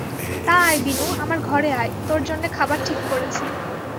তা আয় বিনু, আমার ঘরে আয়, তোর জন্যে খাবার ঠিক করেছি।